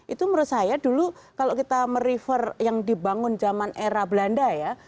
itu menurut saya dulu kalau kita merefer yang dibangun zaman era belanda ya